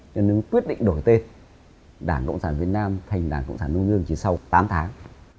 nên quyết định đổi tên đảng cộng sản việt nam thành đảng cộng sản đông dương chỉ sau tám tháng